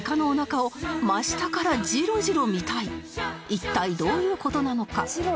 一体どういう事なのか？